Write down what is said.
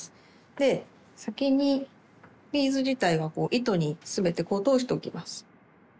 で先にビーズ自体は糸に全て通しておきます。